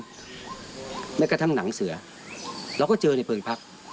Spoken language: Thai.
ไม่ว่าจะเป็นทั้งหนังเสือเราก็เจอในเพลิงพัก